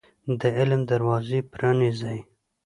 د علم دروازي پرانيزۍ